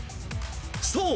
そう！